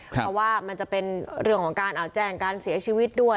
เพราะว่ามันจะเป็นเรื่องของการแจ้งการเสียชีวิตด้วย